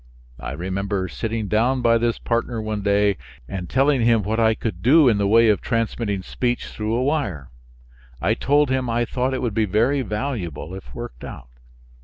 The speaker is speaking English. I remember sitting down by this partner one day and telling him what I could do in the way of transmitting speech through a wire. I told him I thought it would be very valuable if worked out.